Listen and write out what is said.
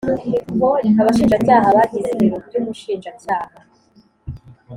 Abashinjacyaha bagize ibiro by Umushinjacyaha